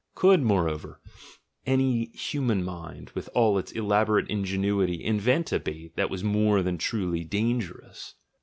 Could, moreover, any human mind with all its elaborate ingenuity invent a bait that was more truly dangerous?